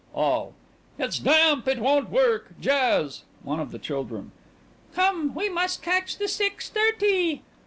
ALL: It's damp! It won't work! Jazz! ONE OF THE CHILDREN: Come, we must catch the six thirty.